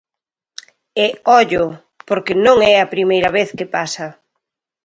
E, ollo, porque non é a primeira vez que pasa.